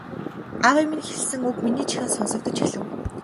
Аавын маань хэлсэн үг миний чихэнд сонсогдож эхлэв.